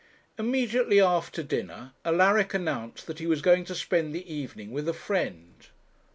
Immediately after dinner Alaric announced that he was going to spend the evening with a friend.